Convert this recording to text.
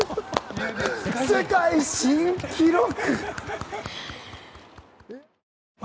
世界新記録。